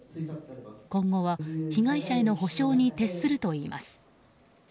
今後は被害者への補償に徹するといいます。